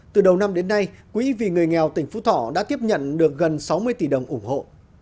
từ đầu năm đến nay quỹ vì người nghèo tỉnh phú thọ đã tiếp nhận được gần sáu mươi tỷ đồng ủng hộ